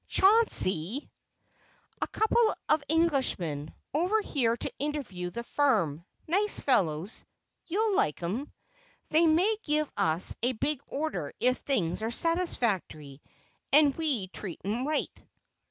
"Chauncey!" "A couple of Englishmen, over here to interview the firm; nice fellows, you'd like 'em. They may give us a big order if things are satisfactory, and we treat 'em right."